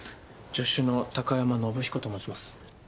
助手の貴山伸彦と申します。